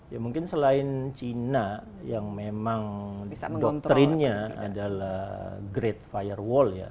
ya mungkin selain cina yang memang doktrinnya adalah grade firewall ya